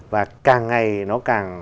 và càng ngày nó càng